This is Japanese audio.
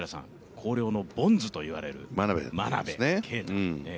広陵のボンズといわれる真鍋慧。